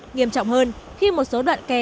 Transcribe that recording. nghiêm trọng hơn khi một số đoạn kè